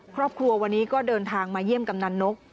ครอบครัววันนี้ก็เดินทางมาเยี่ยมกำนันนก